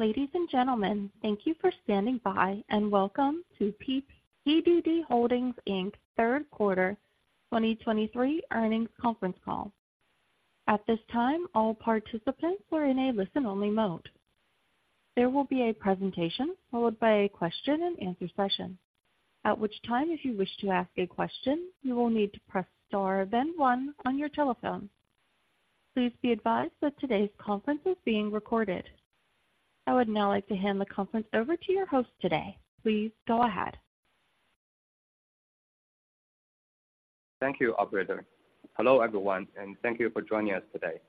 Ladies and gentlemen, thank you for standing by, and welcome to PDD Holdings Inc. third quarter 2023 earnings conference call. At this time, all participants are in a listen-only mode. There will be a presentation followed by a question-and-answer session, at which time if you wish to ask a question, you will need to press star then one on your telephone. Please be advised that today's conference is being recorded. I would now like to hand the conference over to your host today. Please go ahead. Thank you, operator. Hello, everyone, and thank you for joining us today.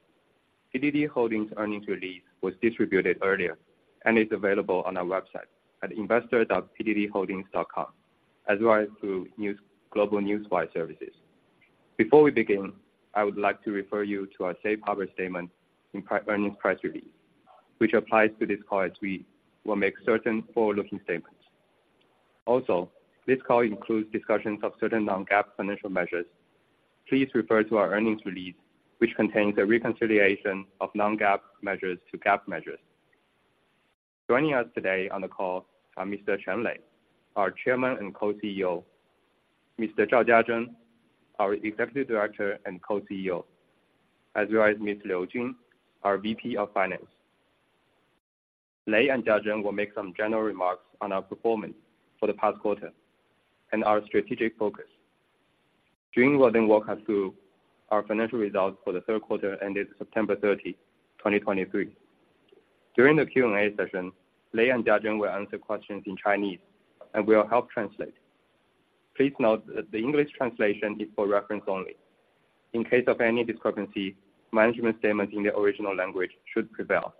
PDD Holdings earnings release was distributed earlier and is available on our website at investor.pddholdings.com, as well as through news, global newswire services. Before we begin, I would like to refer you to our safe harbor statement in our earnings press release, which applies to this call, as we will make certain forward-looking statements. Also, this call includes discussions of certain non-GAAP financial measures. Please refer to our earnings release, which contains a reconciliation of non-GAAP measures to GAAP measures. Joining us today on the call are Mr. Chen Lei, our Chairman and Co-CEO, Mr. Zhao Jiazhen, our Executive Director and Co-CEO, as well as Ms. Liu Jun, our VP of Finance. Lei and Jiazhen will make some general remarks on our performance for the past quarter and our strategic focus. Jun will then walk us through our financial results for the third quarter ended September 30, 2023. During the Q&A session, Lei and Jiazhen will answer questions in Chinese, and we will help translate. Please note that the English translation is for reference only. In case of any discrepancy, management statements in the original language should prevail.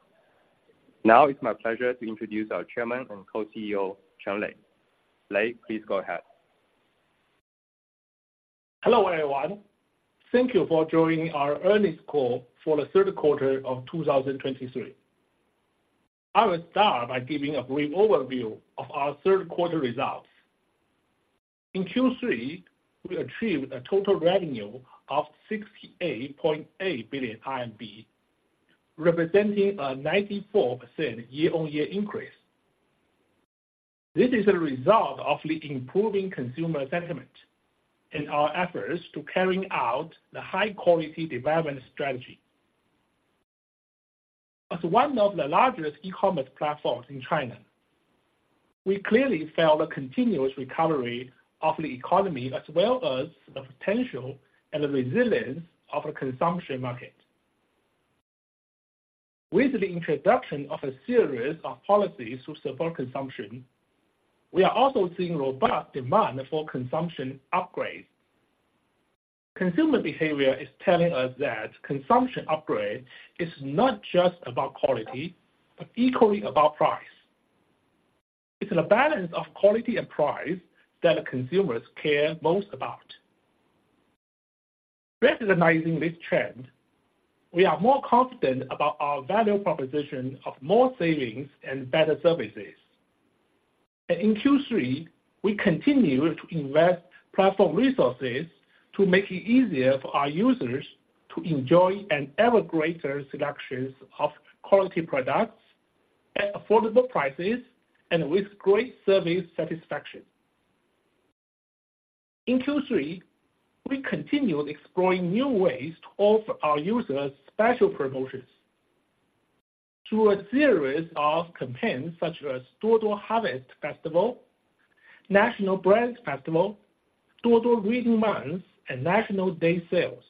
Now it's my pleasure to introduce our Chairman and Co-CEO, Lei Chen. Lei, please go ahead. Hello, everyone. Thank you for joining our earnings call for the third quarter of 2023. I will start by giving a brief overview of our third quarter results. In Q3, we achieved a total revenue of 68.8 billion RMB, representing a 94% year-on-year increase. This is a result of the improving consumer sentiment and our efforts to carrying out the high-quality development strategy. As one of the largest e-commerce platforms in China, we clearly felt a continuous recovery of the economy, as well as the potential and the resilience of the consumption market. With the introduction of a series of policies to support consumption, we are also seeing robust demand for consumption upgrades. Consumer behavior is telling us that consumption upgrade is not just about quality, but equally about price. It's the balance of quality and price that consumers care most about. Recognizing this trend, we are more confident about our value proposition of more savings and better services. In Q3, we continued to invest platform resources to make it easier for our users to enjoy an ever greater selection of quality products at affordable prices and with great service satisfaction. In Q3, we continued exploring new ways to offer our users special promotions. Through a series of campaigns such as Duo Duo Harvest Festival, National Brands Festival, Duo Duo Reading Month, and National Day Sales,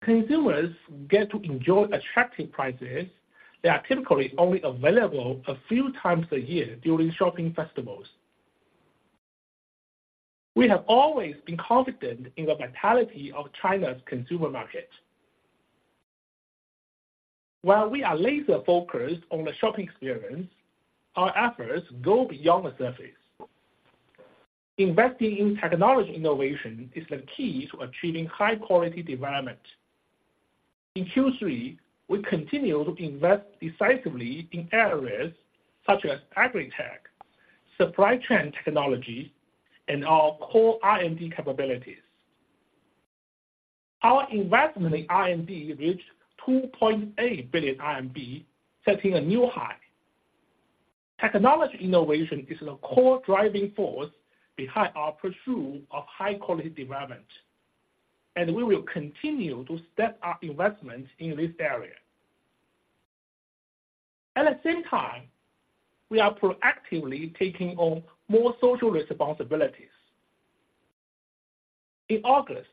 consumers get to enjoy attractive prices that are typically only available a few times a year during shopping festivals. We have always been confident in the vitality of China's consumer market. While we are laser-focused on the shopping experience, our efforts go beyond the surface. Investing in technology innovation is the key to achieving high-quality development. In Q3, we continued to invest decisively in areas such as agritech, supply chain technology, and our core R&D capabilities. Our investment in R&D reached 2.8 billion RMB, setting a new high. Technology innovation is the core driving force behind our pursuit of high-quality development, and we will continue to step up investment in this area. At the same time, we are proactively taking on more social responsibilities. In August,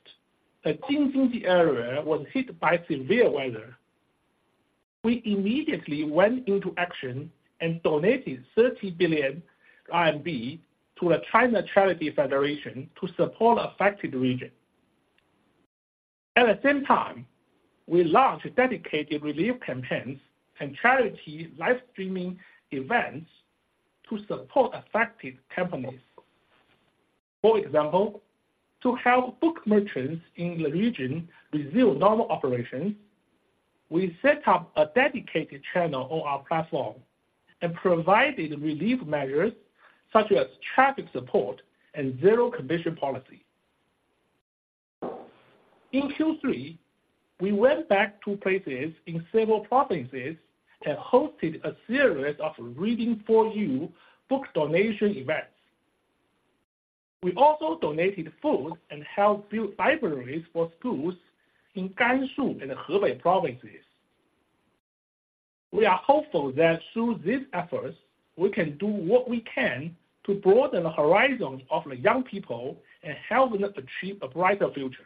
the Jing-Jin-Ji area was hit by severe weather. We immediately went into action and donated 30 billion RMB to the China Charity Federation to support the affected region. At the same time, we launched dedicated relief campaigns and charity live streaming events to support affected companies. For example, to help book merchants in the region resume normal operations, we set up a dedicated channel on our platform and provided relief measures such as traffic support and zero commission policy. In Q3, we went back to places in several provinces and hosted a series of Reading For You book donation events. We also donated food and helped build libraries for schools in Gansu and Hebei provinces. We are hopeful that through these efforts, we can do what we can to broaden the horizons of the young people and help them achieve a brighter future.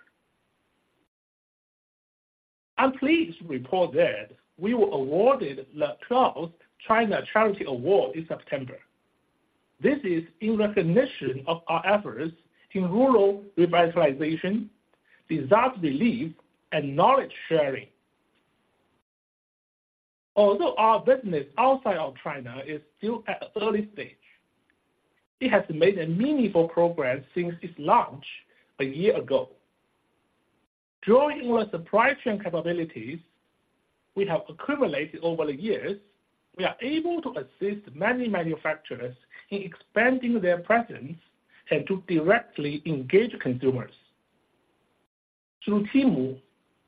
I'm pleased to report that we were awarded the 12th China Charity Award in September. This is in recognition of our efforts in rural revitalization, disaster relief, and knowledge sharing. Although our business outside of China is still at an early stage, it has made a meaningful progress since its launch a year ago. Drawing on the supply chain capabilities we have accumulated over the years, we are able to assist many manufacturers in expanding their presence and to directly engage consumers. Through Temu,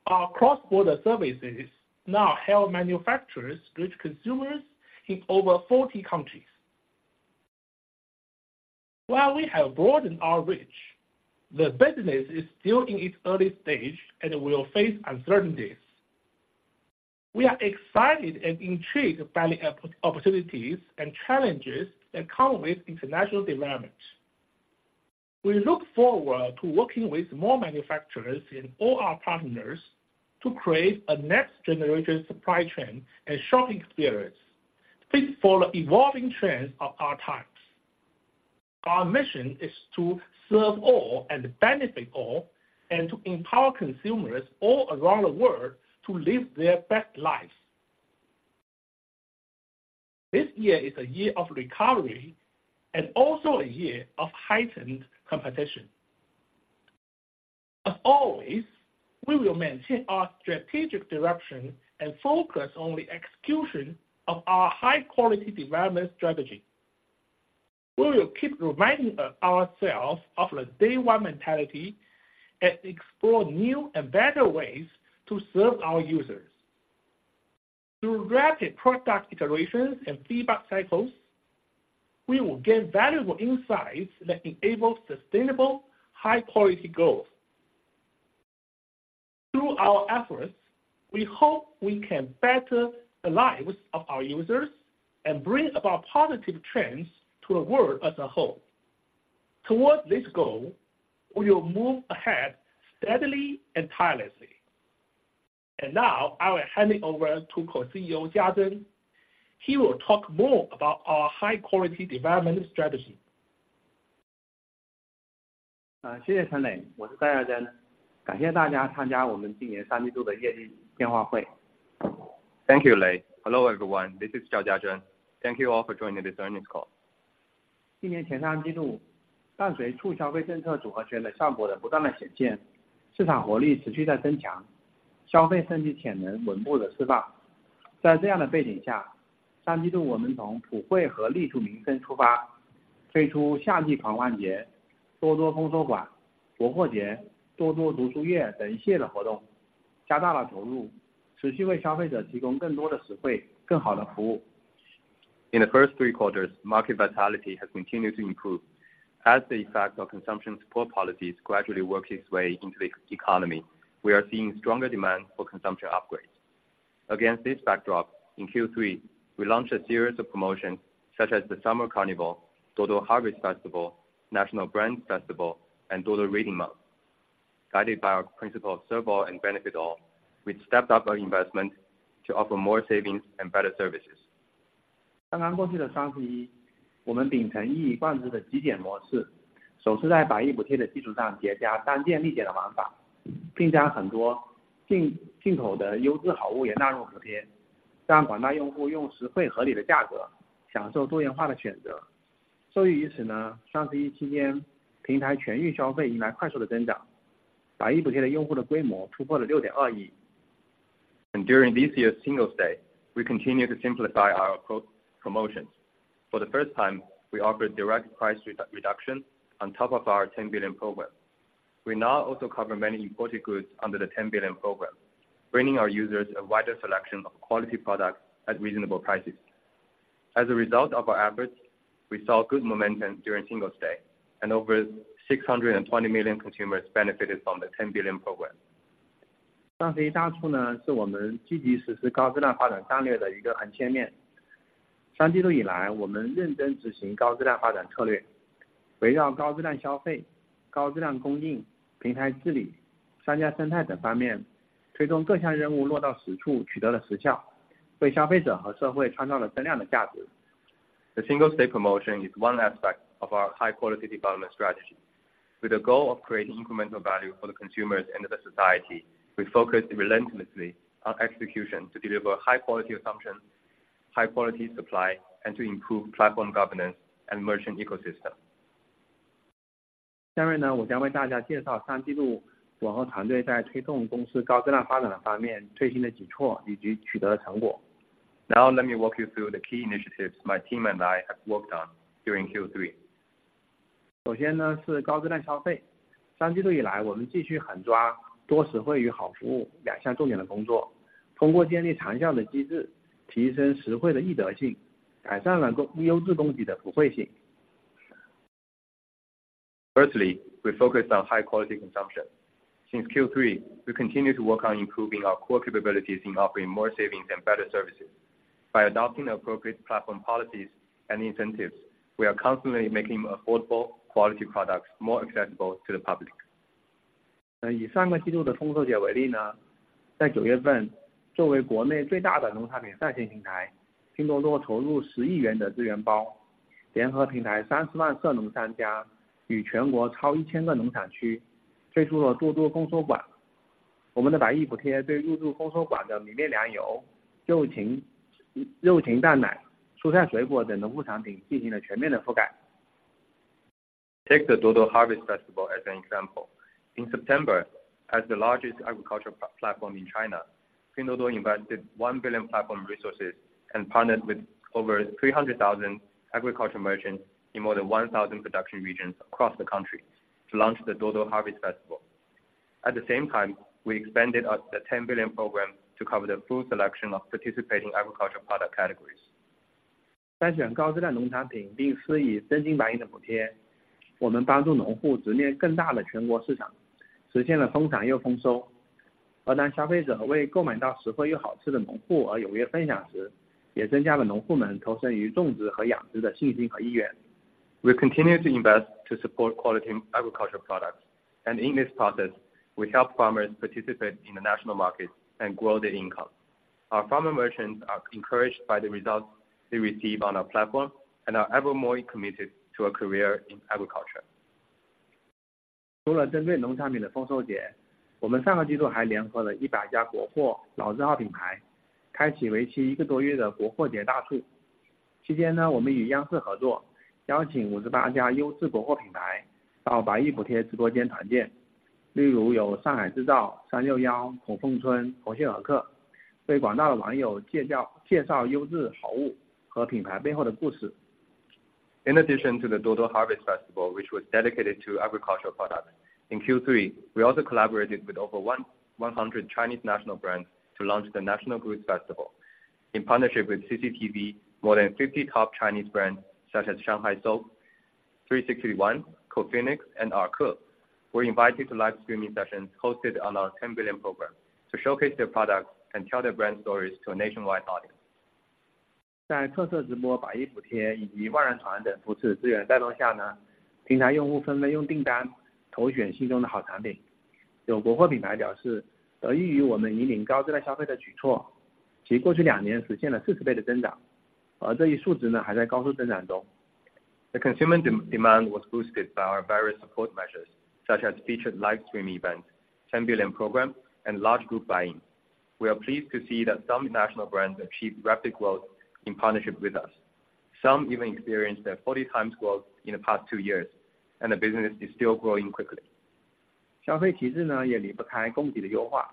our cross-border services now help manufacturers reach consumers in over 40 countries. While we have broadened our reach, the business is still in its early stage and will face uncertainties. We are excited and intrigued by the opportunities and challenges that come with international development. We look forward to working with more manufacturers and all our partners, to create a next generation supply chain and shopping experience fit for the evolving trends of our times. Our mission is to serve all and benefit all, and to empower consumers all around the world to live their best lives. This year is a year of recovery, and also a year of heightened competition. As always, we will maintain our strategic direction and focus on the execution of our high-quality development strategy. We will keep reminding ourselves of the day one mentality, and explore new and better ways to serve our users. Through rapid product iterations and feedback cycles, we will gain valuable insights that enable sustainable, high quality growth. Through our efforts, we hope we can better the lives of our users and bring about positive trends to the world as a whole. Towards this goal, we will move ahead steadily and tirelessly. And now, I will hand it over to Co-CEO Jiazhen. He will talk more about our high-quality development strategy. Thank you, Lei. Hello, everyone. This is Zhao Jiazhen. Thank you all for joining this earnings call. In the first three quarters, market vitality has continued to improve. As the effect of consumption support policies gradually work its way into the economy, we are seeing stronger demand for consumption upgrades. Against this backdrop, in Q3, we launched a series of promotions such as the Summer Carnival, Duo Duo Harvest Festival, National Brands Festival, and Duo Duo Reading Month. Guided by our principle of serve all and benefit all, we stepped up our investment to offer more savings and better services. During this year's Singles' Day, we continued to simplify our promotions. For the first time, we offered direct price reduction on top of our Ten Billion Program. We now also cover many imported goods under the Ten Billion Program, bringing our users a wider selection of quality products at reasonable prices. As a result of our efforts, we saw good momentum during Singles' Day, and over 620 million consumers benefited from the Ten Billion Program. The Singles' Day promotion is one aspect of our high-quality development strategy. With the goal of creating incremental value for the consumers and the society, we focus relentlessly on execution to deliver high-quality consumption, high-quality supply, and to improve platform governance and merchant ecosystem. Now, let me walk you through the key initiatives my team and I have worked on during Q3. Firstly, high quality consumption. Since the third quarter, we continue to focus on the two key areas of more savings and better services, by establishing long-term mechanisms to enhance the accessibility of savings and improve the stability of high-quality supply. Firstly, we focus on high quality consumption. Since Q3, we continue to work on improving our core capabilities in offering more savings and better services by adopting appropriate platform policies and incentives. We are constantly making affordable quality products more accessible to the public. Taking the Duoduo Harvest Festival from the previous quarter as an example, in September, as the largest agricultural products online platform in China, Pinduoduo invested RMB 1 billion in resource packages, partnered with 300,000 agricultural merchants on the platform, and with over 1,000 agricultural production areas nationwide launched the Duoduo Harvest Pavilion. Our Ten Billion Program provided comprehensive coverage for resident rice, flour, grain, oil, meat, poultry, eggs, dairy, vegetables, fruits and other agricultural and sideline products in the Harvest Pavilion. Take the Duoduo Harvest Festival as an example, in September, as the largest agricultural platform in China, Pinduoduo invested 1 billion platform resources and partnered with over 300,000 agricultural merchants in more than 1,000 production regions across the country to launch the Duoduo Harvest Festival. At the same time, we expanded the Ten Billion Program to cover the full selection of participating agricultural product categories. We selected high-quality agricultural products and applied real gold and silver subsidies. We help farmers directly face larger national markets and achieve both high yield and high harvest. And when consumers enthusiastically share to buy affordable and delicious farmer products, it also increases farmers' confidence and willingness to engage in planting and breeding. We continue to invest to support quality agricultural products, and in this process, we help farmers participate in the national market and grow their income. Our farmer merchants are encouraged by the results they receive on our platform and are ever more committed to a career in agriculture. In addition to the Harvest Festival targeting agricultural products, in the previous quarter we also partnered with 100 national old brand products to launch a National Goods Festival promotion lasting more than one month. During the period, we collaborated with CCTV, inviting 58 high-quality national brand products to the Ten Billion Program live streaming room for team building, such as Shanghai Soap, 361, Kong Fengchun, Hongxing Erke, to introduce to the vast netizens the high-quality goods and the stories behind the brands. In addition to the Duoduo Harvest Festival, which was dedicated to agricultural products in Q3, we also collaborated with over 100 Chinese national brands to launch the National Goods Festival in partnership with CCTV. More than 50 top Chinese brands such as Shanghai Soap, Three Sixty One, Co Phoenix and Erke were invited to live streaming sessions hosted on our Ten Billion Program to showcase their products and tell their brand stories to a nationwide audience. Under the promotion of featured live streams, Ten Billion Program, and 10,000-person groups and other support resources, platform users voted for their favorite good products with orders. National brand products indicated that, benefiting from our measures to lead high-quality consumption, they achieved 40 times growth in the past 2 years, and this number is still in high-speed growth. The consumer demand was boosted by our various support measures, such as featured live stream events, Ten Billion Program, and large group buying. We are pleased to see that some national brands achieved rapid growth in partnership with us. Some even experienced a 40x growth in the past two years, and the business is still growing quickly. Consumption upgrading also cannot be separated from supply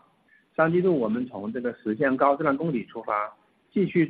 optimization. In the third quarter, starting from achieving high-quality supply, we continued to heavily invest in physical supply chain construction, letting more industrial and agricultural industry belts produce local leaders, leading local industries to the national and even global markets. The high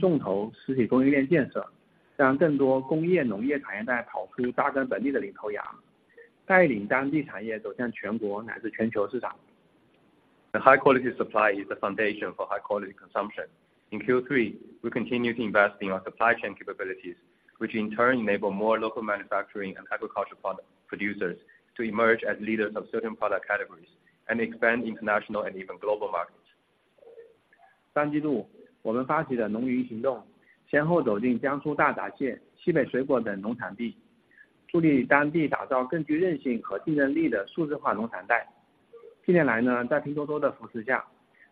quality supply is the foundation for high quality consumption. In Q3, we continue to invest in our supply chain capabilities, which in turn enable more local manufacturing and agricultural product producers to emerge as leaders of certain product categories and expand international and even global markets. In the third quarter, our Agricultural Cloud initiative successively entered Jiangsu hairy crabs, Northwest fruits and other production areas, helping local areas build more resilient and competitive digital agricultural belts.In recent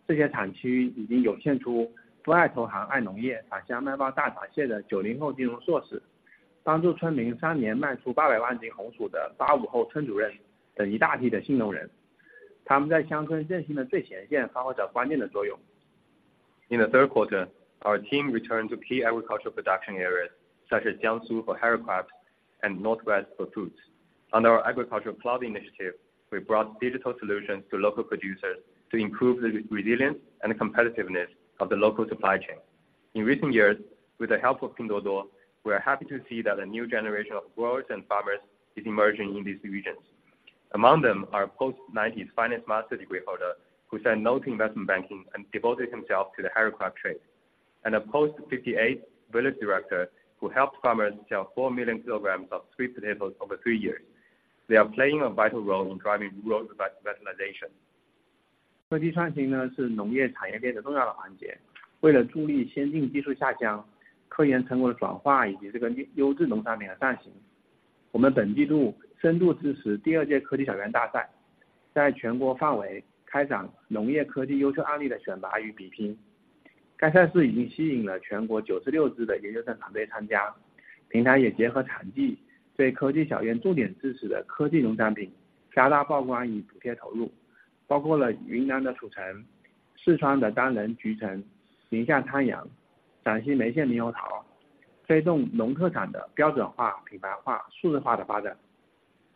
years, under Pinduoduo's support, these production areas have already emerged with a batch of new farmers such as the post-90s finance master's who doesn't love investment banking but loves agriculture, returning home to sell to hairy crabs, the post-85 village director who helped villagers sell 8 million jin of sweet potatoes in 3 years, they are playing a key role on the front line of rural revitalization. In the third quarter, our team returned to key agricultural production areas such as Jiangsu for hairy crabs and Northwest for fruits. Under our agricultural cloud initiative, we brought digital solutions to local producers to improve the resilience and competitiveness of the local supply chain. In recent years, with the help of Pinduoduo, we are happy to see that a new generation of growers and farmers is emerging in these regions. Among them are post-90s finance master degree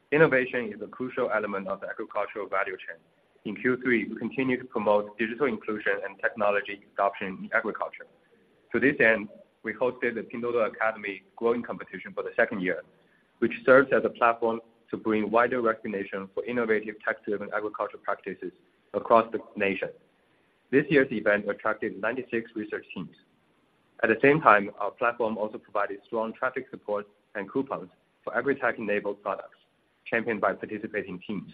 Innovation is a crucial element of the agricultural value chain. In Q3, we continue to promote digital inclusion and technology adoption in agriculture. .To this end, we hosted the Pinduoduo Academy Growing Competition for the second year, which serves as a platform to bring wider recognition for innovative tech-driven agricultural practices across the nation. This year's event attracted 96 research teams. At the same time, our platform also provided strong traffic support and coupons for agritech-enabled products, championed by participating teams.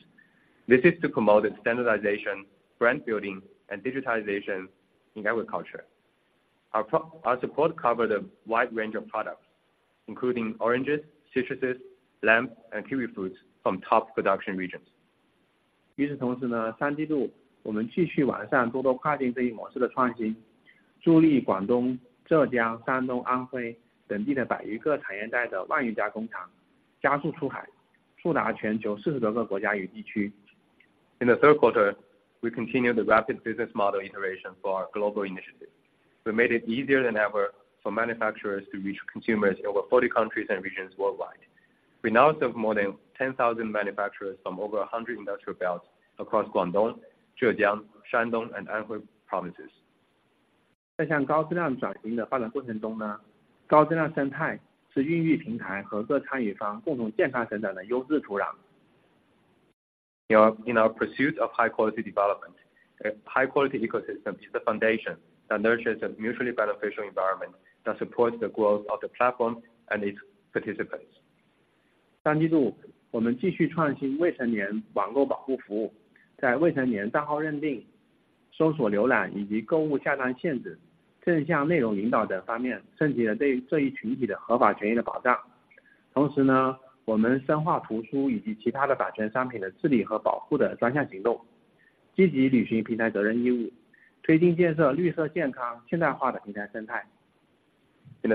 This is to promote the standardization, brand building, and digitization in agriculture. Our support covered a wide range of products, including oranges, citruses, lamb, and kiwi fruits from top production regions. In the third quarter, we continued the rapid business model iteration for our global initiative. We made it easier than ever for manufacturers to reach consumers in over 40 countries and regions worldwide. We now serve more than 10,000 manufacturers from over 100 industrial belts across Guangdong, Zhejiang, Shandong, and Anhui provinces. In our pursuit of high quality development, a high quality ecosystem is the foundation that nurtures a mutually beneficial environment that supports the growth of the platform and its participants. In the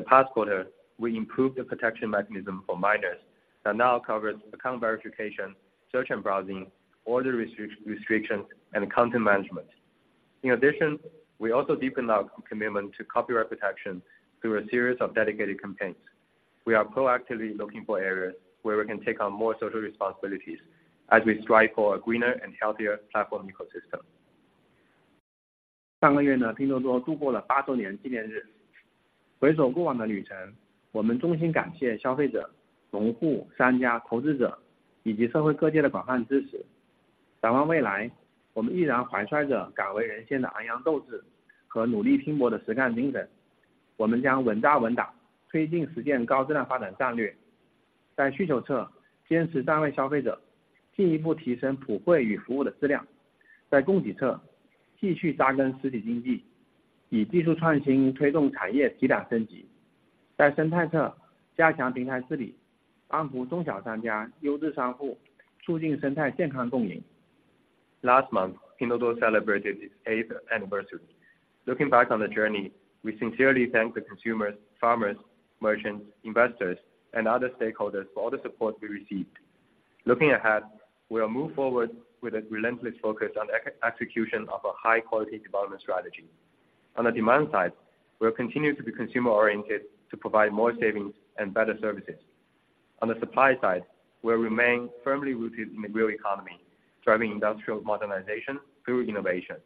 past quarter, we improved the protection mechanism for minors that now covers account verification, search and browsing, order restriction, and content management. In addition, we also deepened our commitment to copyright protection through a series of dedicated campaigns. We are proactively looking for areas where we can take on more social responsibilities as we strive for a greener and healthier platform ecosystem. Last month, Pinduoduo celebrated its eighth anniversary. Looking back on the journey, we sincerely thank the consumers, farmers, merchants, investors, and other stakeholders for all the support we received. Looking ahead, we'll move forward with a relentless focus on execution of a high-quality development strategy. On the demand side, we'll continue to be consumer oriented to provide more savings and better services. On the supply side, we'll remain firmly rooted in the real economy, driving industrial modernization through innovation.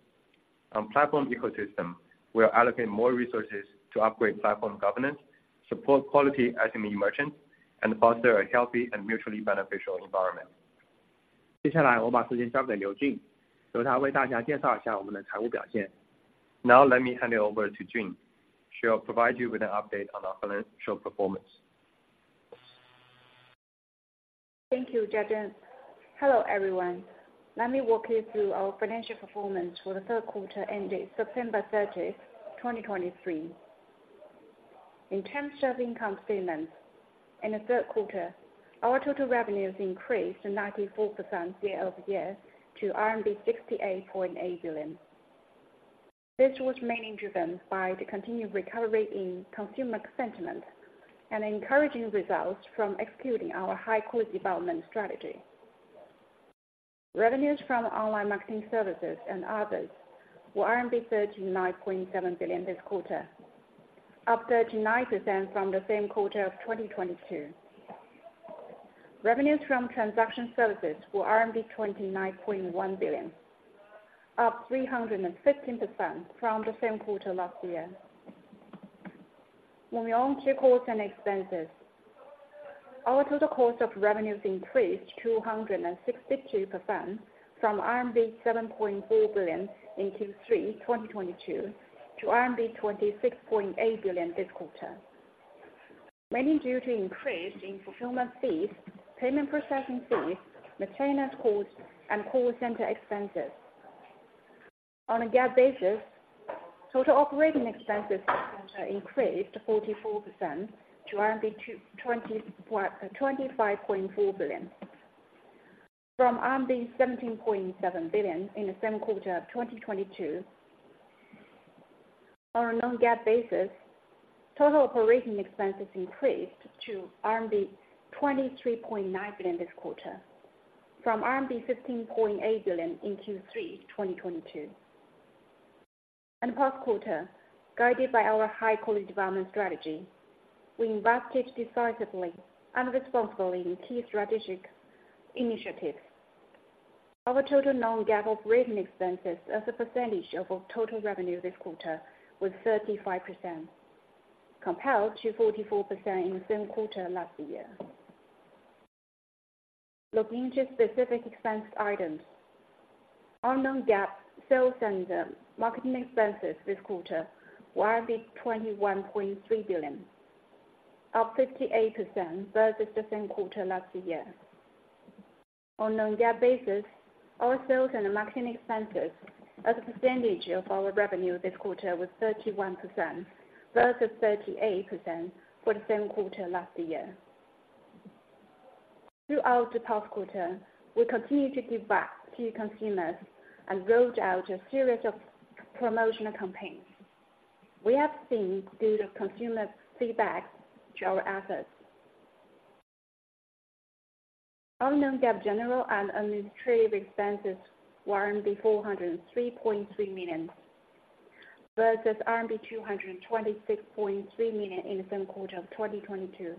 On platform ecosystem, we'll allocate more resources to upgrade platform governance, support quality SME merchants, and foster a healthy and mutually beneficial environment. Now, let me hand it over to Jun. She'll provide you with an update on our financial performance. Thank you, Jiazhen. Hello, everyone. Let me walk you through our financial performance for the third quarter ending September 30, 2023. In terms of income statements, in the third quarter, our total revenues increased 94% year-over-year to RMB 68.8 billion. This was mainly driven by the continued recovery in consumer sentiment and encouraging results from executing our high-quality development strategy. Revenues from online marketing services and others were 39.7 billion this quarter, up 39% from the same quarter of 2022. Revenues from transaction services were RMB 29.1 billion, up 315% from the same quarter last year. Moving on to costs and expenses. Our total cost of revenues increased 262% from RMB 7.4 billion in Q3 2022 toRMB 26.8 billion this quarter, mainly due to increase in fulfillment fees, payment processing fees, maintenance costs, and call center expenses. On a GAAP basis, total operating expenses increased 44% to 25.4 billion, from RMB 17.7 billion in the same quarter of 2022. On a non-GAAP basis, total operating expenses increased to RMB 23.9 billion this quarter, from RMB 15.8 billion in Q3 2022. In the past quarter, guided by our high-quality development strategy, we invested decisively and responsibly in key strategic initiatives. Our total non-GAAP operating expenses as a percentage of our total revenue this quarter was 35%, compared to 44% in the same quarter last year. Looking to specific expense items. Our non-GAAP sales and marketing expenses this quarter were 21.3 billion, up 58% versus the same quarter last year. On non-GAAP basis, our sales and marketing expenses as a percentage of our revenue this quarter was 31%, versus 38% for the same quarter last year. Throughout the past quarter, we continued to give back to consumers and rolled out a series of promotional campaigns. We have seen good consumer feedback to our efforts. Our non-GAAP general and administrative expenses were RMB 403.3 million, versus RMB 226.3 million in the same quarter of 2022.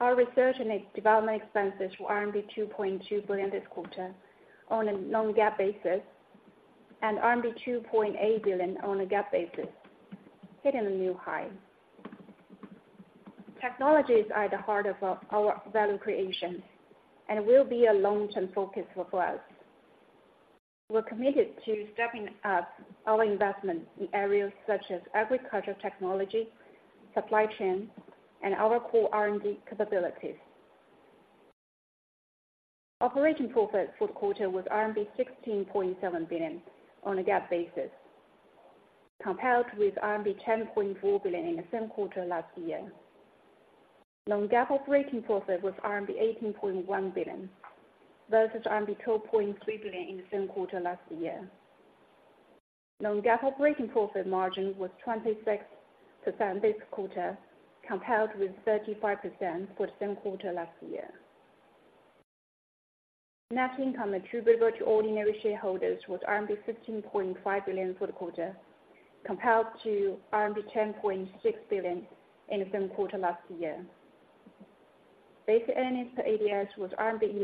Our research and development expenses were 2.2 billion this quarter on a non-GAAP basis, and 2.8 billion on a GAAP basis, hitting a new high. Technologies are at the heart of our value creation and will be a long-term focus for us. We're committed to stepping up our investment in areas such as agriculture technology, supply chain, and our core R&D capabilities. Operating profit for the quarter was RMB 16.7 billion on a GAAP basis, compared with RMB 10.4 billion in the same quarter last year. Non-GAAP operating profit was RMB 18.1 billion, versus RMB 2.3 billion in the same quarter last year. Non-GAAP operating profit margin was 26% this quarter, compared with 35% for the same quarter last year. Net income attributable to ordinary shareholders was RMB 15.5 billion for the quarter, compared to RMB 10.6 billion in the same quarter last year. Basic earnings per ADS was RMB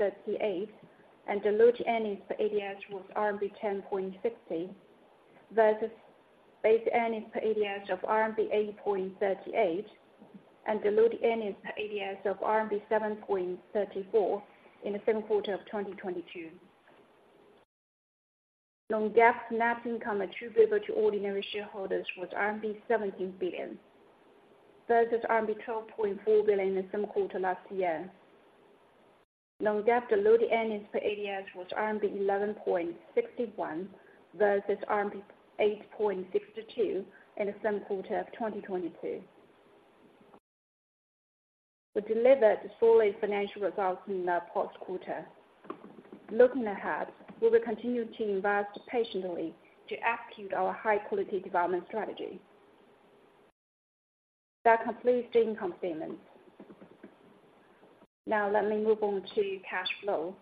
11.38, and diluted earnings per ADS was 10.50 RMB, versus basic earnings per ADS of RMB 8.38, and diluted earnings per ADS of RMB 7.34 in the same quarter of 2022. Non-GAAP net income attributable to ordinary shareholders was RMB 17 billion, versus RMB 12.4 billion in the same quarter last year. Non-GAAP diluted earnings per ADS was 11.61, versus RMB 8.62 in the same quarter of 2022. We delivered solid financial results in the past quarter. Looking ahead, we will continue to invest patiently to execute our high-quality development strategy. That completes the income statement. Now let me move on to cash flow.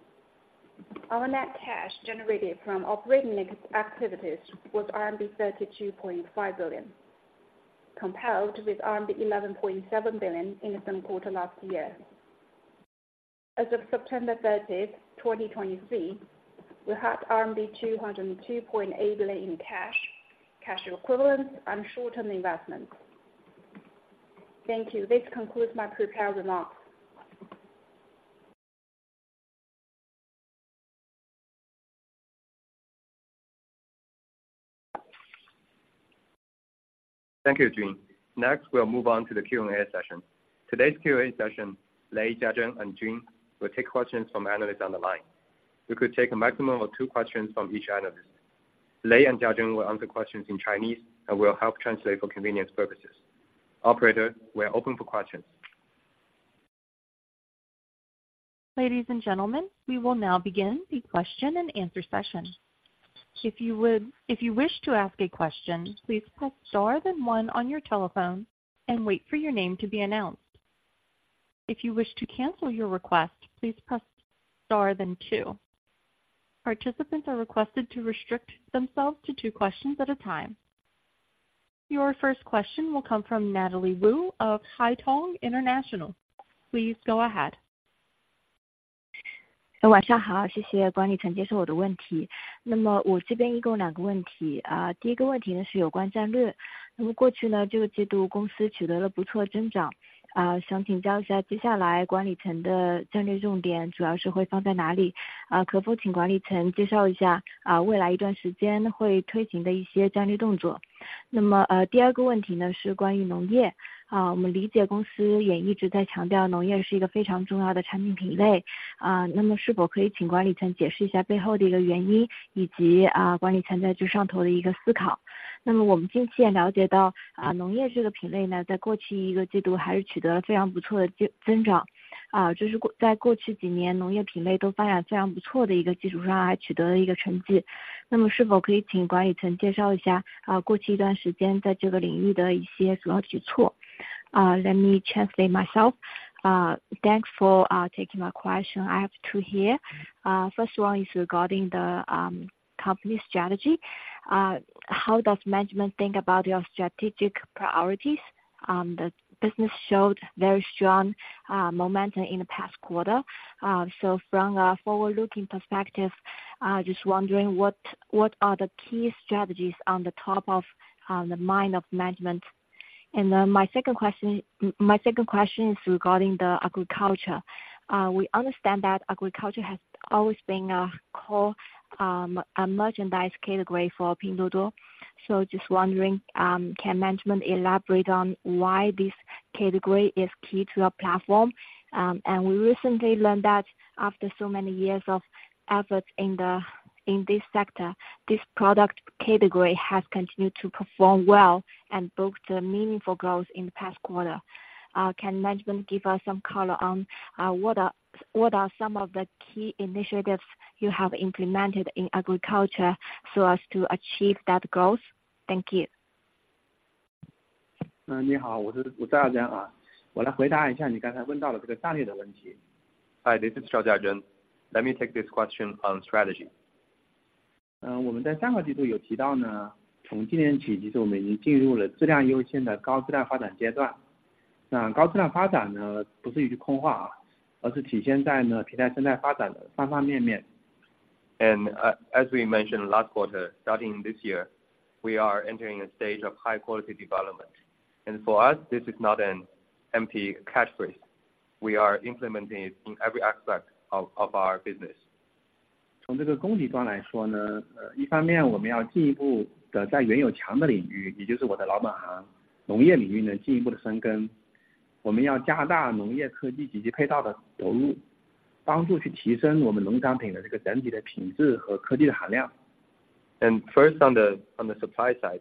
Our net cash generated from operating activities was RMB 32.5 billion, compared with RMB 11.7 billion in the same quarter last year. As of September 30, 2023, we had RMB 202.8 billion in cash, cash equivalents, and short-term investments. Thank you. This concludes my prepared remarks. Thank you, Jun. Next, we'll move on to the Q&A session. Today's Q&A session, Lei, Jiazhen, and Jun will take questions from analysts on the line. We could take a maximum of two questions from each analyst. Lei and Jiazhen will answer questions in Chinese, and we'll help translate for convenience purposes. Operator, we're open for questions. Ladies and gentlemen, we will now begin the question and answer session. If you wish to ask a question, please press star then one on your telephone and wait for your name to be announced. If you wish to cancel your request, please press star then two. Participants are requested to restrict themselves to two questions at a time. Your first question will come from Natalie Wu of Haitong International. Please go ahead. Thanks for taking my question. I have two here. First one is regarding the company strategy. How does management think about your strategic priorities? The business showed very strong momentum in the past quarter. So from a forward-looking perspective, just wondering what, what are the key strategies on the top of the mind of management? And then my second question is regarding the agriculture. We understand that agriculture has always been a core, a merchandise category for Pinduoduo, so just wondering, can management elaborate on why this category is key to your platform? We recently learned that after so many years of efforts in this sector, this product category has continued to perform well and booked a meaningful growth in the past quarter. Can management give us some color on what are some of the key initiatives you have implemented in agriculture so as to achieve that growth? Thank you. 你好，我是赵长江啊，我来回答一下你刚才问到的这个战略的问题。Hi, this is Jiazhen Zhao, let me take this question on strategy. 我们上次季度有提到呢，从今年起，其实我们已经进入了质量优先的高质量发展阶段，那高质量发展呢，不是一句空话啊，而是体现在了平台生态发展的方方面面。And as we mentioned last quarter, starting this year, we are entering a stage of high quality development. And for us, this is not an empty catchphrase. We are implementing it in every aspect of our business. 从供给端来说呢，一方面我们在已有强的领域，也就是我的老本行农业领域呢，进一步深耕，我们要加大农业科技以及配套的投入，帮助去提升我们农产品的整体的品质和科技的含量。And first, on the supply side,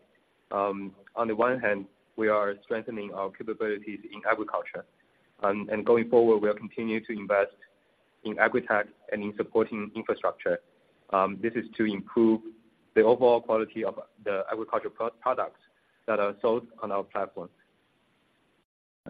on the one hand, we are strengthening our capabilities in agriculture, and going forward, we will continue to invest in agritech and in supporting infrastructure. This is to improve the overall quality of the agricultural products that are sold on our platform.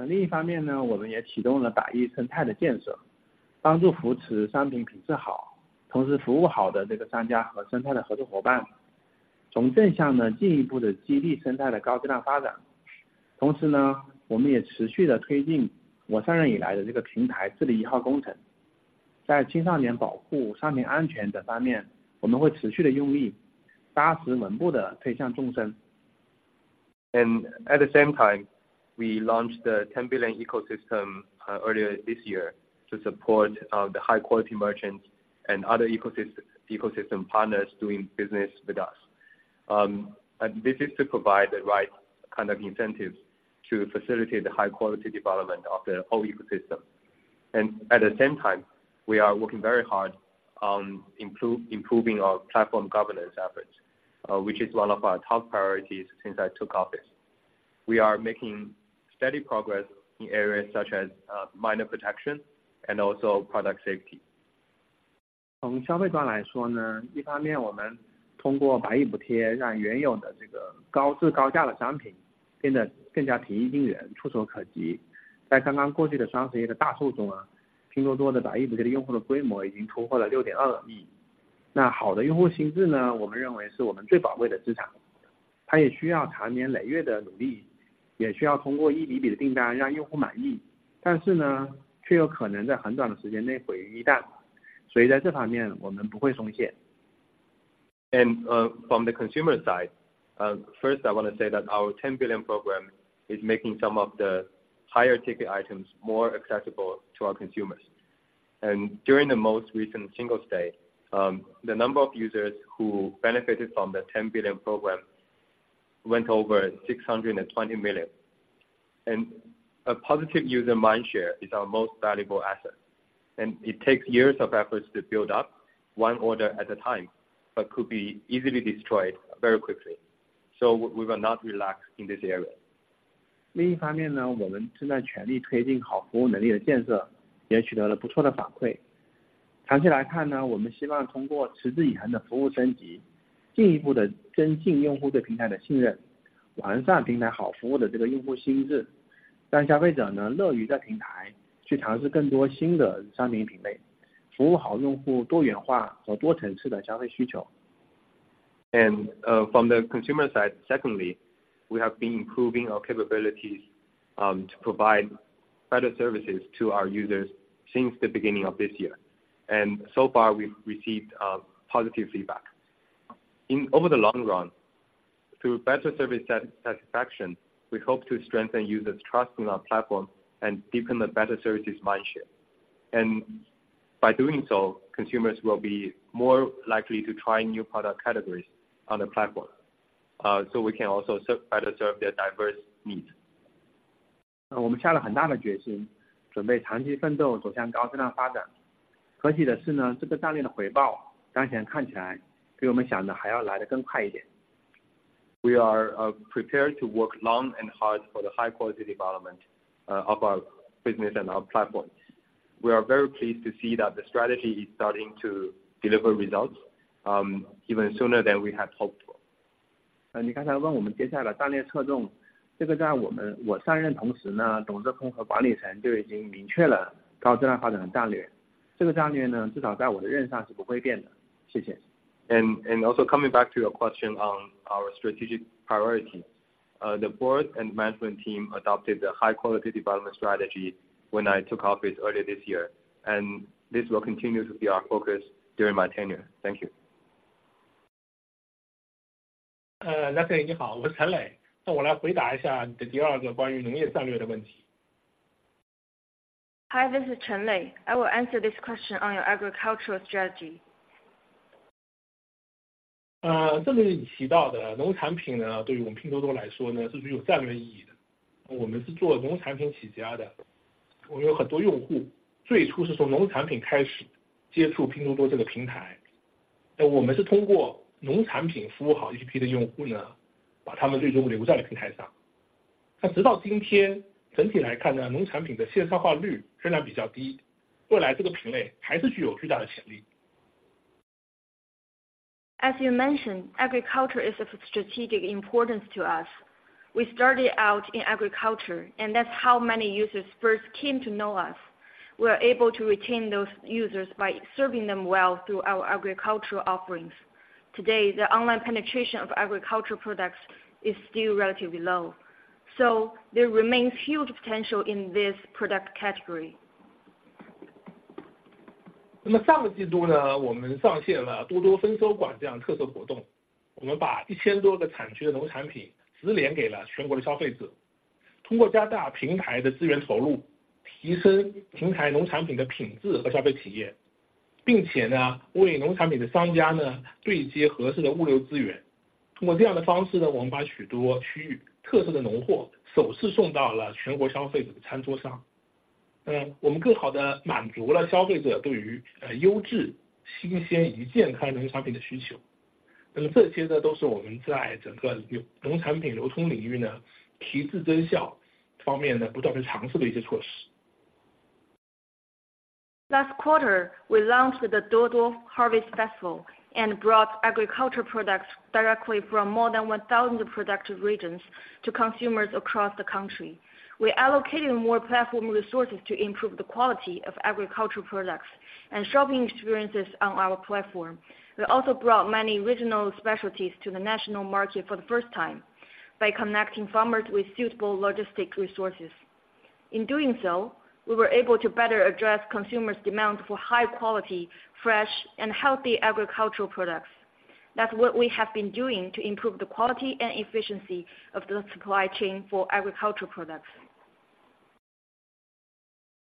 另一方面呢，我们也启动了百亿生态的建设，帮助扶持商品品质好，同时服务好的这个商家和生态的合作伙伴，从正向地进一步地激励生态的高质量发展。同时呢，我们也持续地推进我上任以来的这个平台治理一号工程，在青少年保护、商品安全等方面，我们会持续地用力，扎实稳步地推向纵深。At the same time, we launched the ten billion ecosystem earlier this year to support the high quality merchants and other ecosystem partners doing business with us. This is to provide the right kind of incentives to facilitate the high quality development of the whole ecosystem. At the same time, we are working very hard on improving our platform governance efforts, which is one of our top priorities since I took office. We are making steady progress in areas such as minor protection and also product safety. 从消费端来说呢，一方面我们通过百亿补贴，让原有的这个高质量高价的商品变得更加平易近人，触手可及。在刚刚过去的双十一的大促中啊，拼多多的百亿补贴用户的规模已经突破了6.2亿。那好的用户心智呢，我们认为是我们最宝贵的资产，它也需要长年累月的努力，也需要通过一笔笔的订单让用户满意，但是呢，却有可能在很短的时间内毁于一旦。所以在这一方面我们不会松懈。From the consumer side, first, I want to say that our Ten Billion Program is making some of the higher ticket items more accessible to our consumers. During the most recent Singles' Day, the number of users who benefited from the Ten Billion Program went over 620 million. A positive user mind share is our most valuable asset, and it takes years of efforts to build up one order at a time, but could be easily destroyed very quickly. We will not relax in this area. 另一方面呢，我们正在全力推进好服务能力的建设，也取得了不错的反馈。长期来看呢，我们希望通过持续稳定的服务升级，进一步地增进用户对平台的信任，完善平台好服务的这个用户心智，让消费者呢乐于在平台去尝试更多新的商品品类，服务好用户多元化和多层次的消费需求。From the consumer side, secondly, we have been improving our capabilities to provide better services to our users since the beginning of this year. So far, we've received positive feedback. In the long run, through better service satisfaction, we hope to strengthen users trust in our platform and deepen the better services mind share. By doing so, consumers will be more likely to try new product categories on the platform, so we can also better serve their diverse needs. 我们下了很大的决心，准备长期奋斗，走向高质量发展。可喜的是呢，这个战略的回报当前看起来比我们想的还要来得更快一点。We are prepared to work long and hard for the high quality development of our business and our platform. We are very pleased to see that the strategy is starting to deliver results, even sooner than we had hoped for. 你刚才问我们的接下来战略侧重，这个在我们，我上任同时呢，董事会和管理层就已经明确了高质量发展战略。这个战略呢，至少在我的任上是不会变的。谢谢。And also coming back to your question on our strategic priority, the board and management team adopted the high-quality development strategy when I took office earlier this year, and this will continue to be our focus during my tenure. Thank you. Hello, I am Lei Chen. So I will answer your second question about the agricultural strategy. Hi, this is Chen Lei. I will answer this question on your agricultural strategy. 正如你提到的，农产品呢，对于我们拼多多来说呢，是具有战略意义的。我们是做农产品起家的，我们有很多用户最初是从农产品开始接触拼多多这个平台，而我们是通过农产品服务好一批的用户呢，把他们最终留在了平台上。那直到今天，整体来看呢，农产品的线上化率仍然比较低，未来这个品类还是具有巨大的潜力。As you mention, agriculture is of strategic importance to us. We started out in agriculture, and that's how many users first came to know us. We are able to retain those users by serving them well through our agricultural offerings. Today, the online penetration of agricultural products is still relatively low, so there remains huge potential in this product category. Last quarter, we launched the Duo Duo Harvest Festival and brought agricultural products directly from more than 1,000 product regions to consumers across the country. We allocated more platform resources to improve the quality of agricultural products and shopping experiences on our platform. We also brought many regional specialties to the national market for the first time by connecting farmers with suitable logistics resources. In doing so, we were able to better address consumers' demand for high quality, fresh and healthy agricultural products. That's what we have been doing to improve the quality and efficiency of the supply chain for agricultural products.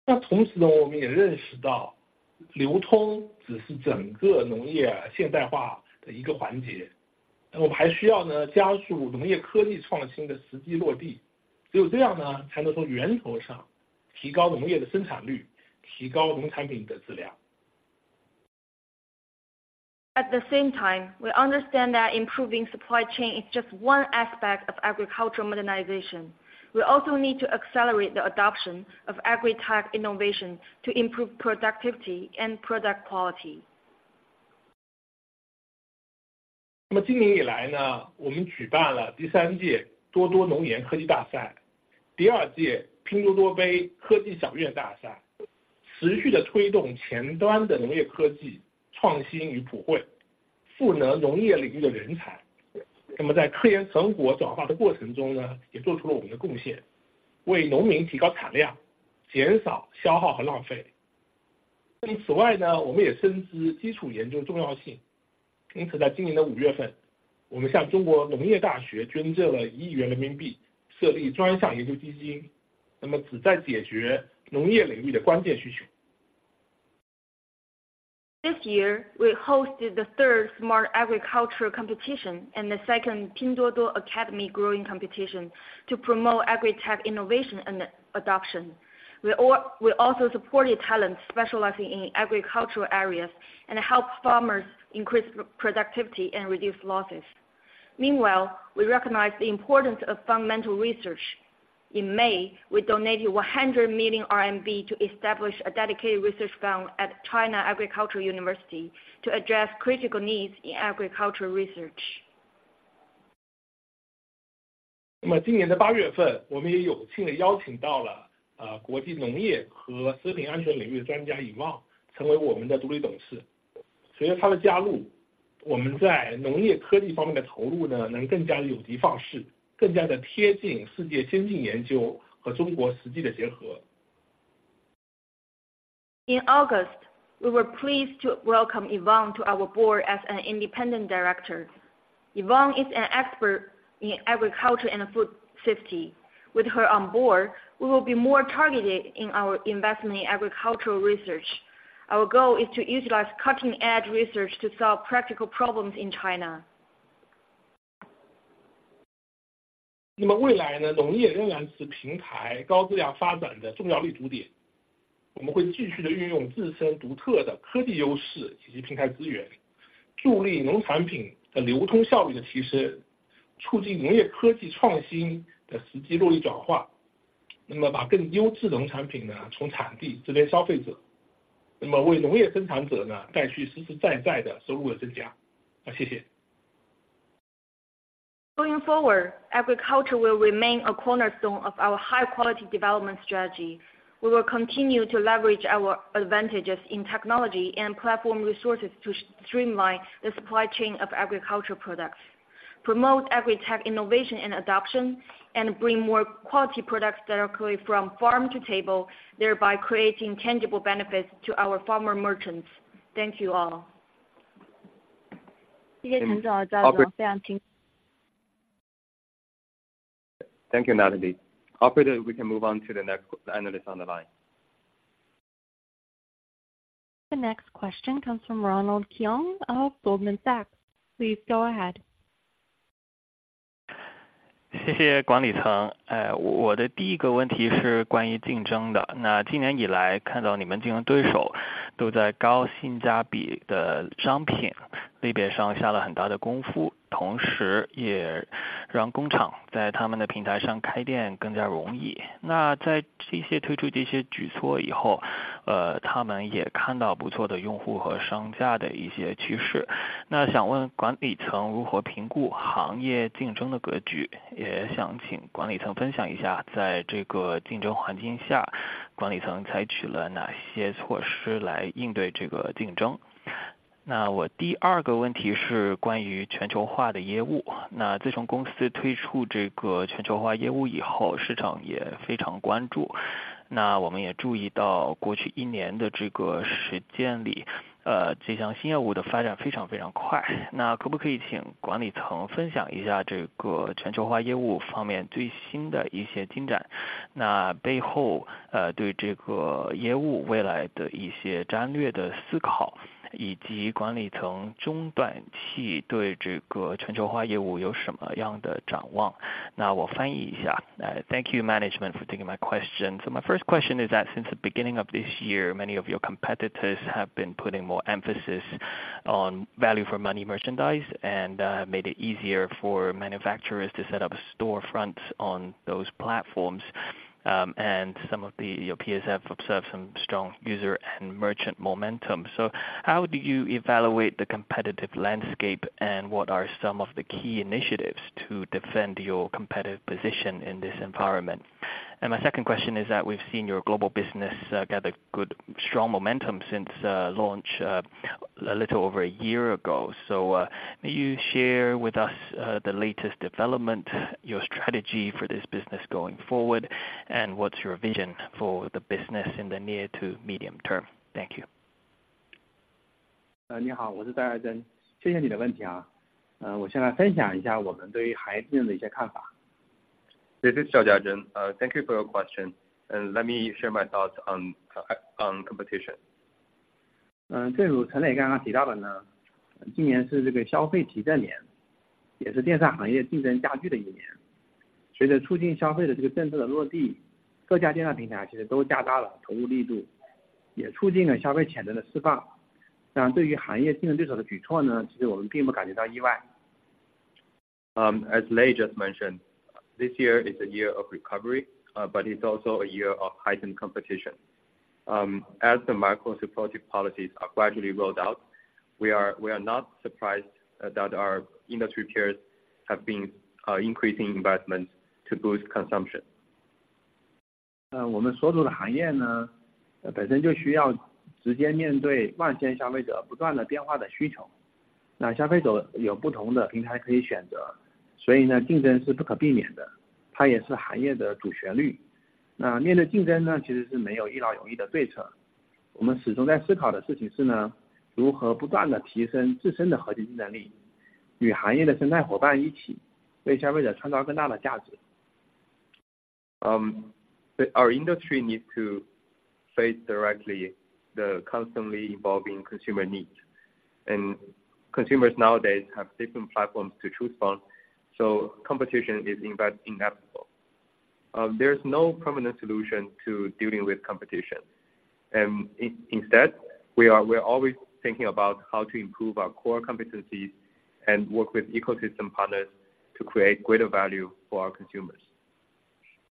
同时呢，我们也认识到，流通只是整个农业现代化的一个环节，那么我们还需要呢加速农业科技创新的实际落地，只有这样呢，才能从源头上提高农业的生产率，提高农产品的质量。At the same time, we understand that improving supply chain is just one aspect of agricultural modernization. We also need to accelerate the adoption of agritech innovation to improve productivity and product quality. 那么今年以来呢，我们举办了第三届多多农业科技大赛，第二届拼多多杯科技小院大赛，持续地推动前端的农业科技创新与普惠，赋能农业领域的人才。那么在科研成果转化的过程中呢，也做出了我们的贡献，为农民提高产量，减少消耗和浪费。那么此外呢，我们也深知基础研究的重要性，因此，在今年的五月份，我们向中国农业大学捐赠了RMB 100 million，设立专项研究基金，那么旨在解决农业领域的关键需求。This year, we hosted the third Smart Agriculture Competition and the second Pinduoduo Academy Growing Competition to promote agritech innovation and adoption. We also supported talents specializing in agricultural areas and help farmers increase productivity and reduce losses. Meanwhile, we recognize the importance of fundamental research. In May, we donated 100 million RMB to establish a dedicated research fund at China Agricultural University to address critical needs in agricultural research. 那么今年的8月份，我们也有幸地邀请到了，国际农业和食品安全领域的专家Ivonne，成为我们的独立董事。随着她的加入，我们在农业科技方面的投入呢，能够更加有机地，更加地贴近世界先进研究和中国的实际的结合。In August, we were pleased to welcome Ivonne to our Board as an Independent Director. Ivonne is an expert in agriculture and food safety. With her on board, we will be more targeted in our investment in agricultural research. Our goal is to utilize cutting edge research to solve practical problems in China. Going forward, agriculture will remain a cornerstone of our high-quality development strategy. We will continue to leverage our advantages in technology and platform resources to streamline the supply chain of agricultural products, promote agritech innovation and adoption, and bring more quality products directly from farm to table, thereby creating tangible benefits to our farmer merchants. Thank you all. Thank you, Natalie. Operator, we can move on to the next analyst on the line. The next question comes from Ronald Keung of Goldman Sachs. Please go ahead. Thank you, management, for taking my question. So my first question is that since the beginning of this year, many of your competitors have been putting more emphasis on value for money merchandise, and made it easier for manufacturers to set up storefronts on those platforms. And some of your PSFs observe some strong user and merchant momentum. So how do you evaluate the competitive landscape? And what are some of the key initiatives to defend your competitive position in this environment? And my second question is that we've seen your global business gather good, strong momentum since launch a little over a year ago. So may you share with us the latest development, your strategy for this business going forward, and what's your vision for the business in the near to medium term? Thank you. This is Jiazhen Zhao, thank you for your question, and let me share my thoughts on competition. 正如陈磊刚刚提到的呢，今年是这个消费提振年，也是电商行业竞争加剧的一年。随着促进消费的这个政策的落地，各家电商平台其实都加大了投入力度，也促进了消费潜力的释放。那对于行业竞争对手的举措呢，其实我们并不感觉到意外。As Lei just mentioned, this year is a year of recovery, but it's also a year of heightened competition. As the micro supportive policies are gradually rolled out, we are, we are not surprised that our industry peers have been increasing investments to boost consumption. 我们所处的行业呢，本身就需要直接面对万千消费者不断变化的需求，那消费者有不同的平台可以选择，所以呢，竞争是不可避免的，它也是行业的主题。那面对竞争呢，其实是没有一劳永逸的对策。我们始终在思考的事情是呢，如何不断地提升自身的核心竞争力，与行业的生态伙伴一起，为消费者创造更大的价值。Our industry needs to face directly the constantly evolving consumer needs. And consumers nowadays have different platforms to choose from, so competition is inevitable. There's no permanent solution to dealing with competition. Instead, we are always thinking about how to improve our core competencies and work with ecosystem partners to create greater value for our consumers.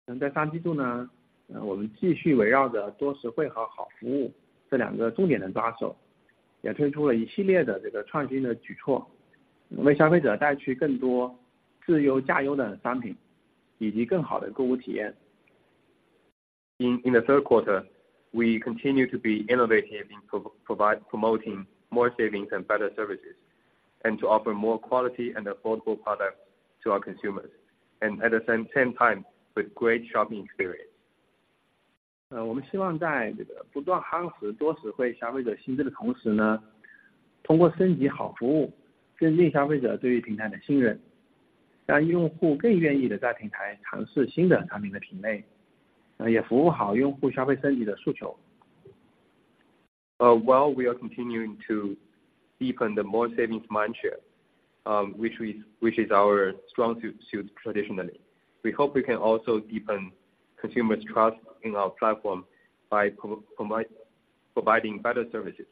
我们在三季度呢，我们继续围绕着多实惠和好服务这两个重点来抓手，也推出了一系列的这个创新的举措，为消费者带来更多自由价优的产品，以及更好的购物体验。In the third quarter, we continue to be innovative in promoting more savings and better services, and to offer more quality and affordable products to our consumers, and at the same time, with great shopping experience. 我们希望在这个不断夯实多实惠消费者信任的同时呢，通过升级好服务，增进消费者对于平台的信任，让用户更愿意的在平台尝试新的商品的品类，也服务好用户消费升级的诉求。While we are continuing to deepen the more savings mind share, which is our strong suit traditionally, we hope we can also deepen consumer's trust in our platform by providing better services.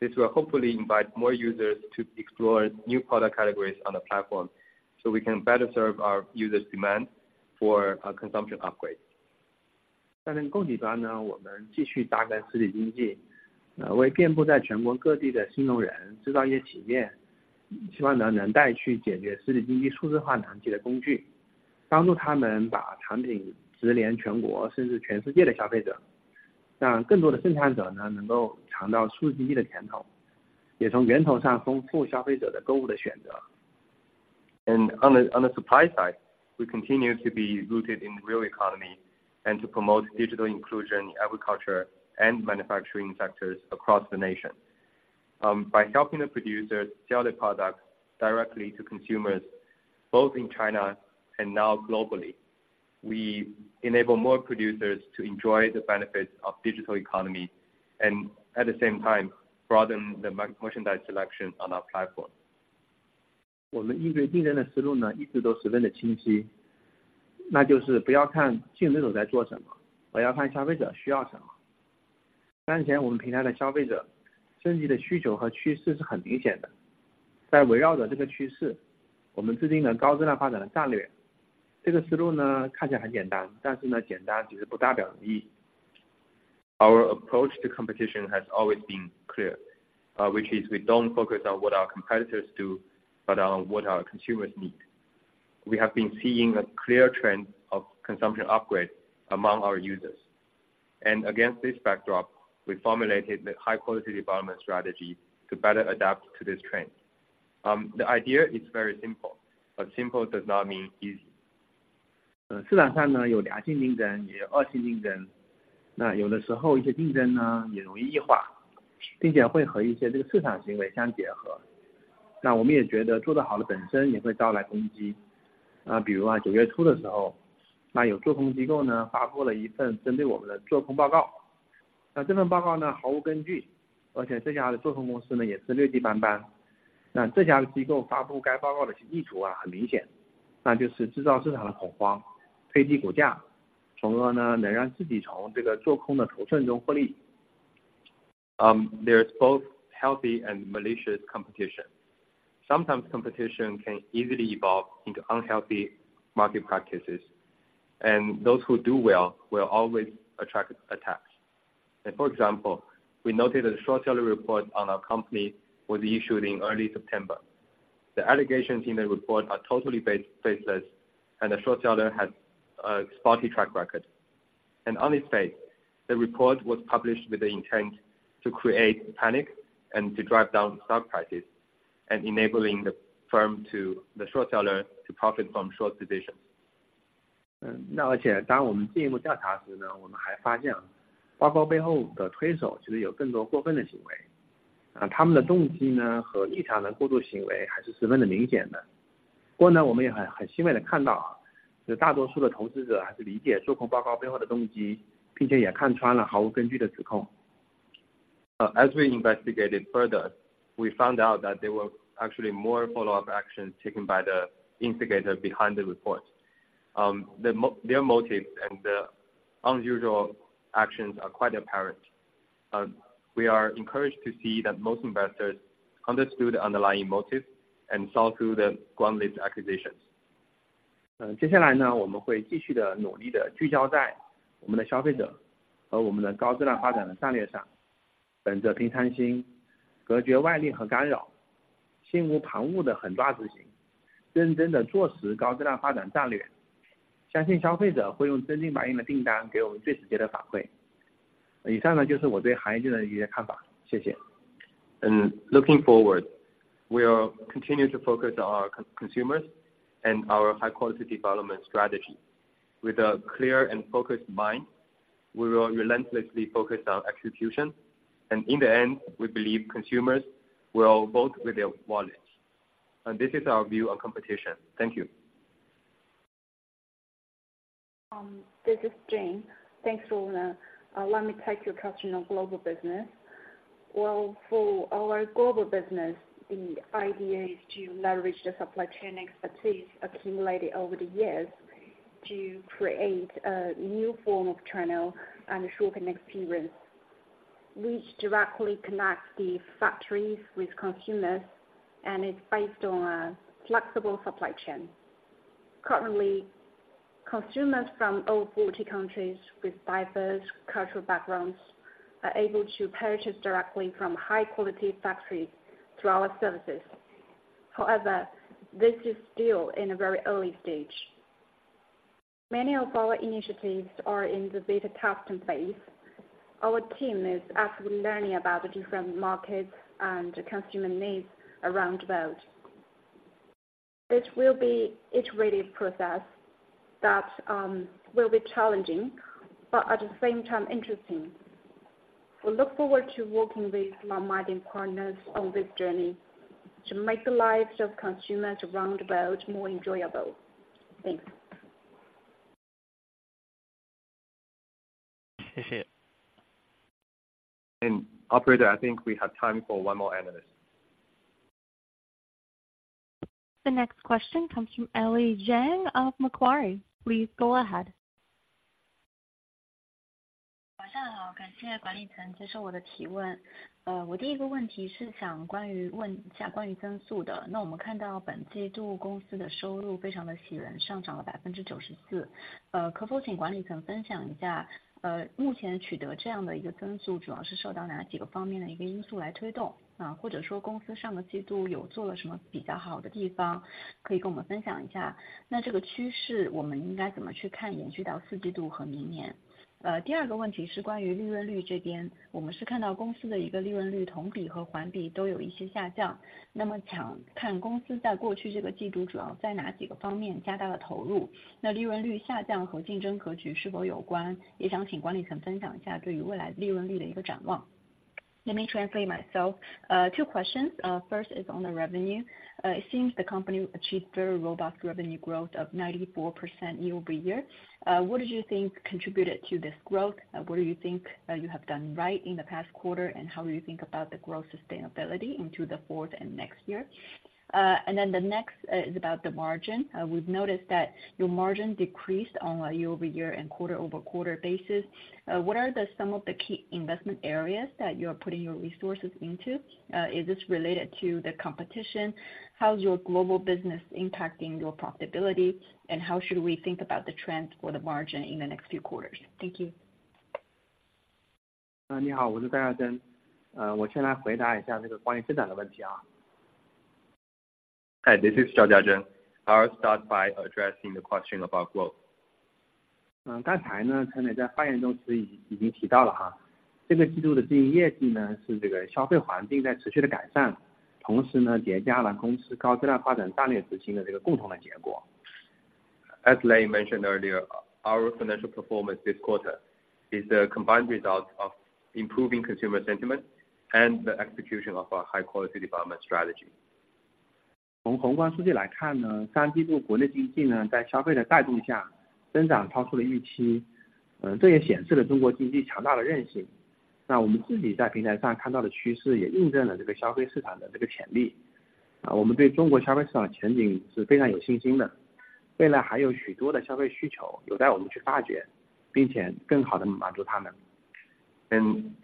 This will hopefully invite more users to explore new product categories on the platform, so we can better serve our users' demand for a consumption upgrade. On the supply side, we continue to be rooted in real economy and to promote digital inclusion, agriculture and manufacturing sectors across the nation. By helping the producers sell their products directly to consumers, both in China and now globally, we enable more producers to enjoy the benefits of digital economy and at the same time broaden the merchandise selection on our platform. Our approach to competition has always been clear, which is we don't focus on what our competitors do, but on what our consumers need. We have been seeing a clear trend of consumption upgrade among our users. Against this backdrop, we formulated the high-quality development strategy to better adapt to this trend. The idea is very simple, but simple does not mean easy. There's both healthy and malicious competition. Sometimes competition can easily evolve into unhealthy market practices, and those who do well will always attract attacks. Like for example, we noted a short seller report on our company was issued in early September. The allegations in the report are totally baseless, and the short seller has a spotty track record. On its face, the report was published with the intent to create panic and to drive down stock prices, and enabling the firm to the short seller to profit from short positions. 而且当我们进一步调查时呢，我们还发现报告背后的推手其实有更多过分的行为，他们的动机呢和异常的过度行为还是十分的明显的。不过呢，我们也很，很欣慰地看到，有大多数的投资者还是理解做空报告背后的动机，并且也看穿了毫无根据的指控. As we investigated further, we found out that there were actually more follow-up actions taken by the instigator behind the report. Their motive and the unusual actions are quite apparent. We are encouraged to see that most investors understood the underlying motive and saw through the groundless accusations. 接下来呢，我们会继续地努力地聚焦在我们的消费者和我们的高质量发展的战略上，本着平常心，隔绝外力和干扰，心无旁骛地狠抓执行，认真地做实高质量发展战略。相信消费者会用真金白银的订单给我们最直接的反馈。以上呢，就是我对行业的一些看法，谢谢。Looking forward, we are continue to focus on our consumers and our high-quality development strategy. With a clear and focused mind, we will relentlessly focus on execution. In the end, we believe consumers will vote with their wallets. This is our view on competition. Thank you. This is Jun. Thanks, Ronald. Let me take your question on global business. Well, for our global business, the idea is to leverage the supply chain expertise accumulated over the years to create a new form of channel and shopping experience, which directly connects the factories with consumers and is based on a flexible supply chain. Currently, consumers from over 40 countries with diverse cultural backgrounds are able to purchase directly from high quality factories through our services. However, this is still in a very early stage. Many of our initiatives are in the beta testing phase. Our team is actively learning about the different markets and consumer needs around the world. It will be iterative process that will be challenging, but at the same time interesting. We look forward to working with like-minded partners on this journey, to make the lives of consumers around the world more enjoyable. Thanks. Operator, I think we have time for one more analyst. The next question comes from Ellie Jiang of Macquarie. Please go ahead. 晚上好，感谢管理层接受我的提问。我第一个问题是想关于问一下关于增速的，那我们看到本季度公司的收入非常的喜人，上涨了94%，可否请管理层分享一下，目前取得这样的一个增速，主要是受到哪几个方面的一个因素来推动，啊或者说公司上个季度有做了什么比较好的地方，可以跟我们分享一下，那这个趋势我们应该怎么去看，延续到四季度和明年。第二个问题是关于利润率这边，我们是看到公司的利润率同比和环比都有一些下降，那么想看公司在过去这个季度主要在哪几个方面加大了投入，那利润率下降和竞争格局是否有关？也想请管理层分享一下对于未来利润率的展望。Let me translate myself. Two questions, first is on the revenue. It seems the company achieved very robust revenue growth of 94% year-over-year. What do you think contributed to this growth? What do you think you have done right in the past quarter, and how do you think about the growth sustainability into the fourth and next year? And then the next is about the margin. We've noticed that your margin decreased on a year-over-year and quarter-over-quarter basis. What are some of the key investment areas that you are putting your resources into? Is this related to the competition? How is your global business impacting your profitability? And how should we think about the trend for the margin in the next few quarters? Thank you. Hi, this is Jiazhen Zhao, I'll start by addressing the question about growth. As Lei mentioned earlier, our financial performance this quarter is the combined result of improving consumer sentiment and the execution of our high-quality development strategy. And in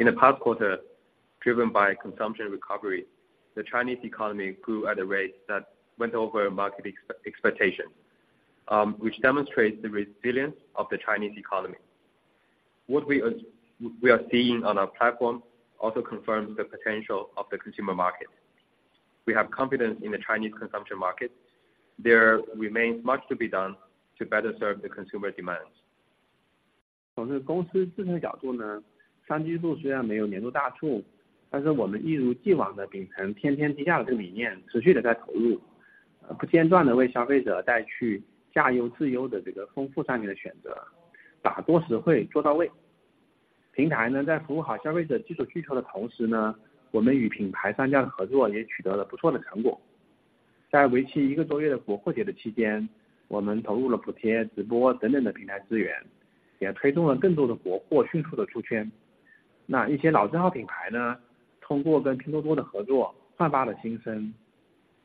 the past quarter, driven by consumption recovery, the Chinese economy grew at a rate that went over market expectations, which demonstrates the resilience of the Chinese economy. What we are seeing on our platform also confirms the potential of the consumer market. We have confidence in the Chinese consumption market. There remains much to be done to better serve the consumer demands.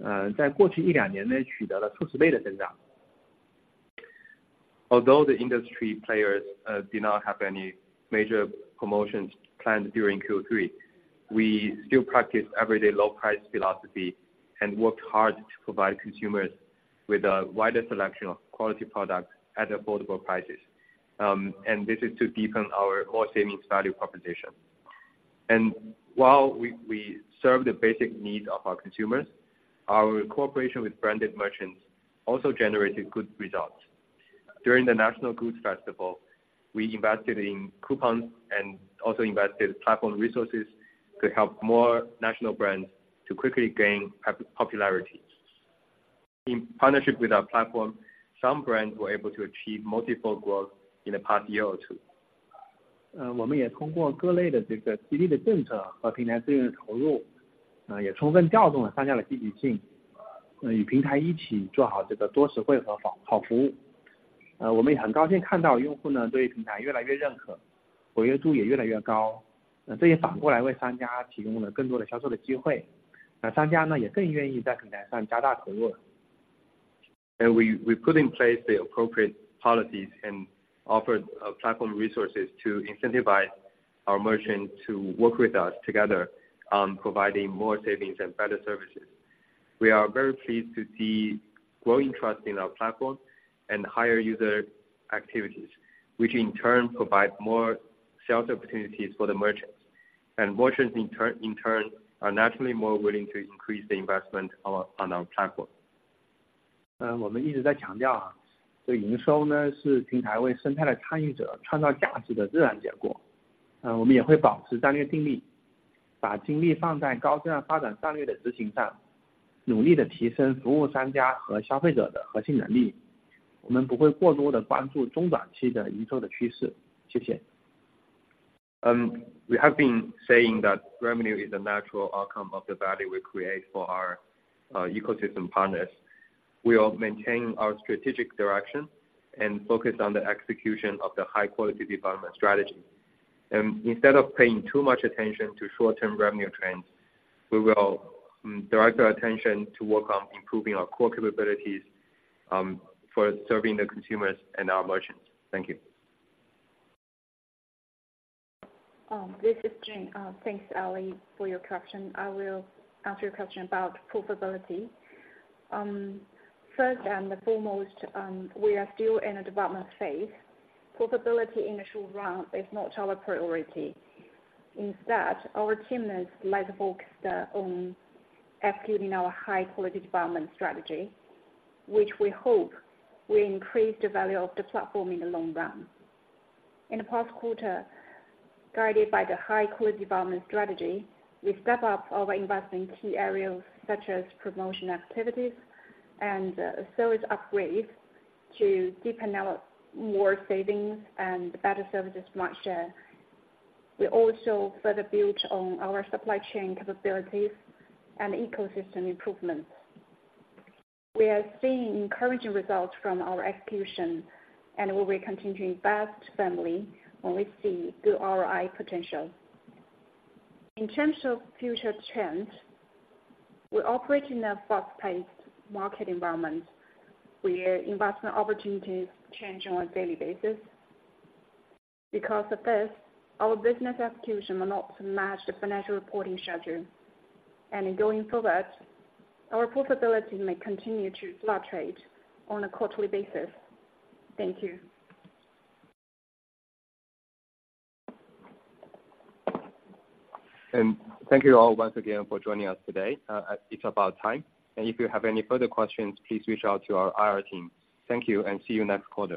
Although the industry players did not have any major promotions planned during Q3, we still practice everyday low price philosophy and worked hard to provide consumers with a wider selection of quality products at affordable prices. This is to deepen our cost savings value proposition. While we serve the basic needs of our consumers, our cooperation with branded merchants also generated good results. During the National Goods Festival, we invested in coupons and also invested platform resources to help more national brands to quickly gain popularity. In partnership with our platform, some brands were able to achieve multiple growth in the past year or two. 我们也通过各类的这个激励的政策和平台资源的投入，也充分调动商家的积极性，与平台一起做好这个多实惠和好的服务。我们也很高兴看到用户呢对于平台越来越认可，活跃度也越来越高，这也反过来为商家提供了更多的销售的机会，那商家呢也更愿意在平台上加大投入。And we put in place the appropriate policies and offered platform resources to incentivize our merchants to work with us together on providing more savings and better services. We are very pleased to see growing trust in our platform and higher user activities, which in turn provide more sales opportunities for the merchants, and merchants in turn are naturally more willing to increase the investment on our platform. 我们一直强调，这营收呢，是平台为生态的参与者创造价值的自然结果。我们也会保持战略定力，把精力放在高质量发展战略的执行上，努力地提升服务商家和消费者的核心能力，我们不会过多地关注中短期的营收的趋势。谢谢。We have been saying that revenue is a natural outcome of the value we create for our ecosystem partners. We will maintain our strategic direction and focus on the execution of the high-quality development strategy. Instead of paying too much attention to short-term revenue trends, we will direct our attention to work on improving our core capabilities for serving the consumers and our merchants. Thank you. This is Jun. Thanks, Ally, for your question. I will answer your question about profitability. First and foremost, we are still in a development phase. Profitability in the short run is not our priority. Instead, our team is like focused on executing our high-quality development strategy, which we hope will increase the value of the platform in the long run. In the past quarter, guided by the high-quality development strategy, we step up our investment in key areas such as promotion activities and service upgrades to deepen our more savings and better services market share. We also further build on our supply chain capabilities and ecosystem improvements. We are seeing encouraging results from our execution, and we will continue to invest heavily when we see good ROI potential. In terms of future trends, we operate in a fast-paced market environment, where investment opportunities change on a daily basis. Because of this, our business execution will not match the financial reporting schedule, and in going forward, our profitability may continue to fluctuate on a quarterly basis. Thank you. Thank you all once again for joining us today. It's about time, and if you have any further questions, please reach out to our IR team. Thank you and see you next quarter.